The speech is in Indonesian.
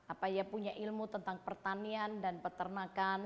apalagi punya ilmu tentang pertanian dan peternakan